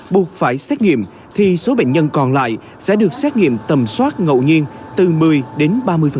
buộc phải xác nghiệm thì số bệnh nhân còn lại sẽ được xác nghiệm tầm soát ngậu nhiên từ một mươi đến ba mươi